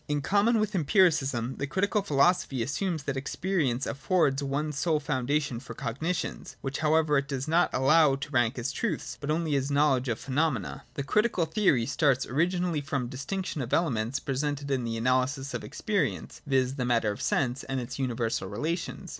40.] In common with Empiricism the Critical Philo sophy assumes that experience affords the one sole foundation for cognitions ; which however it does not allow to rank as truths, but only as knowledge of phenomena. The Critical theory starts originally from the distinc tion of elements presented in the analysis of experience, viz. the matter of sense, and its universal relations.